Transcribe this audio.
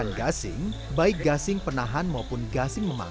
namun cari tetapi ada penuh gasingnya